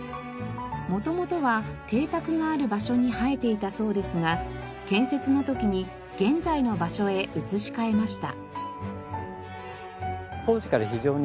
元々は邸宅がある場所に生えていたそうですが建設の時に現在の場所へ移し替えました。